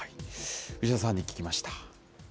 牛田さんに聞きました。